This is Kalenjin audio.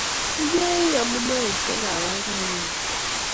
Inye ii amuneisiek ab boiboiyenyu